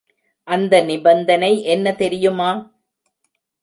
அந்த நிபந்தனை என்ன தெரியுமா?